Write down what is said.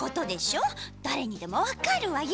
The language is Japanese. だれにでもわかるわよ。